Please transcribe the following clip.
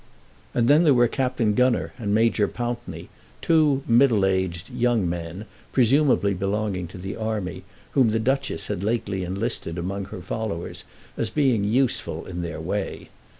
And then there were Captain Gunner and Major Pountney, two middle aged young men, presumably belonging to the army, whom the Duchess had lately enlisted among her followers as being useful in their way.